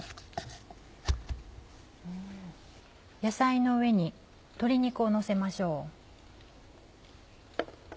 野菜の上に鶏肉をのせましょう。